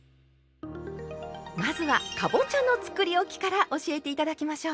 まずはかぼちゃのつくりおきから教えて頂きましょう。